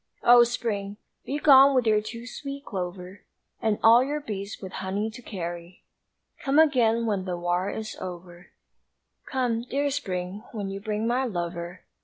O Spring! begone with your too sweet clover And all your bees with honey to carry Come again when the war is over, Come, dear Spring, when you bring my lover!